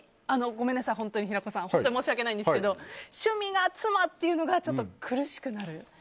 ごめんなさい、平子さん申し訳ないんですけど趣味が妻っていうのが苦しくなる。